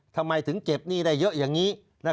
ทำไมถึงเก็บหนี้ได้เยอะอย่างนี้